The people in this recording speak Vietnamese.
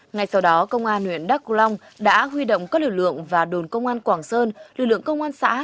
ngay sau đó công an huyện đắk long đã huy động các lực lượng và đồn công an quảng sơn lực lượng công an xã